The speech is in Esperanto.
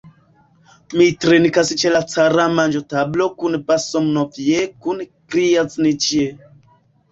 Mi drinkas ĉe la cara manĝotablo kun Basmanov'j, kun Grjaznij'j.